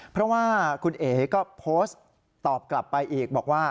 เพราะว่าคุณเอ๋ก็โพสต์ตอบกลับไปอีกบอกว่า